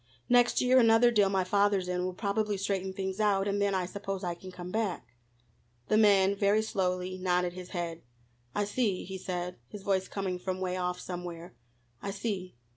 Next year another deal my father's in will probably straighten things out, and then I suppose I can come back." The man very slowly nodded his head. "I see," he said, his voice coming from 'way off somewhere, "I see."